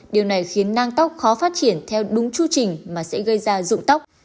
điều này khiến nang tóc khó phát triển theo đúng chu trình mà sẽ gây ra rụng tóc